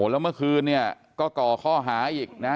และเมื่อคืนก็ก่อข้อหาอีกนะ